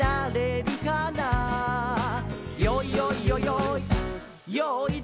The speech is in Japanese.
「よいよいよよい